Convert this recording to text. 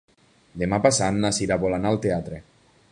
Demà passat na Cira vol anar al teatre.